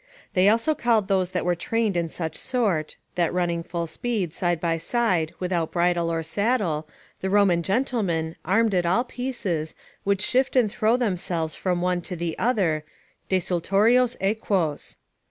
They also called those that were trained in such sort, that running full speed, side by side, without bridle or saddle, the Roman gentlemen, armed at all pieces, would shift and throw themselves from one to the other, 'desultorios equos'.